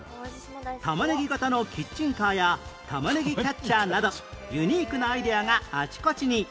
玉ねぎ形のキッチンカーやたまねぎキャッチャーなどユニークなアイデアがあちこちに